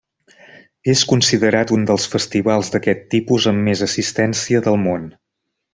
És considerat un dels festivals d'aquest tipus amb més assistència del món.